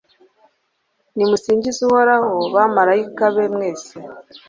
nimusingize uhoraho, bamalayika be mwese